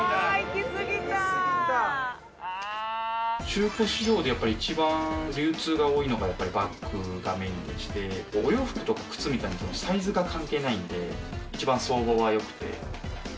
あー、中古市場でやっぱり一番流通が多いのがやっぱりバッグがメインでして、お洋服とか靴みたいなのは、サイズが関係ないんで、一番相場がよくて。